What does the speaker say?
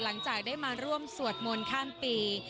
หลังจากได้มาร่วมสวดมนต์ข้ามปี